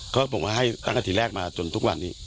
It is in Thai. ก็ผมให้ตั้งแต่ทีแรกมาจนทุกวันนี้